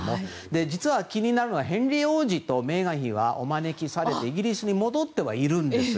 実は気になるのはヘンリー王子とメーガン妃がお招きされてイギリスに戻ってはいるんです。